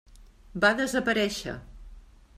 Va desaparèixer.